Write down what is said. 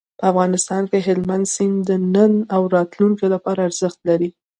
په افغانستان کې هلمند سیند د نن او راتلونکي لپاره ارزښت لري.